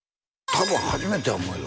多分初めてや思うよ